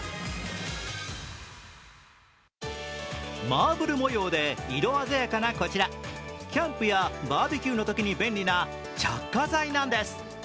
マーブル模様で色鮮やかなこちら、キャンプやバーベキューのときに便利な着火剤なんです。